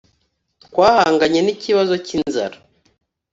twahanganye n’ikibazo cy’inzara